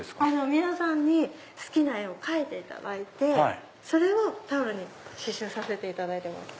皆さんに好きな絵を描いていただいてそれをタオルに刺しゅうさせていただいてます。